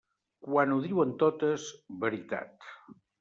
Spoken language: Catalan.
Quan ho diuen totes, veritat.